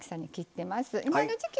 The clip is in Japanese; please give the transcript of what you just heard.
今の時季